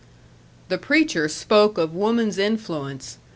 "The preacher spoke of woman's influence.